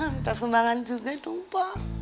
minta sumbangan juga dong pa